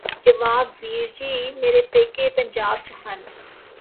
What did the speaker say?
ਜਵਾਬ ਵੀਰ ਜੀ ਮੇਰੇ ਪੇਕੇ ਪੰਜਾਬ ਚ ਹਨ